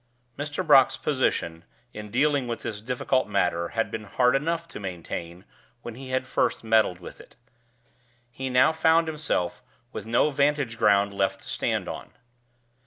Mr. Brock's position in dealing with this difficult matter had been hard enough to maintain when he had first meddled with it. He now found himself with no vantage ground left to stand on.